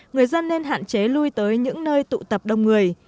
người dân nên hạn chế lui tới những nơi tụ tập đông người